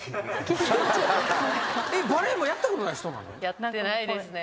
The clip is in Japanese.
やってないですね。